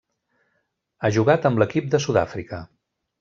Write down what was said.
Ha jugat amb l'equip de Sud-àfrica.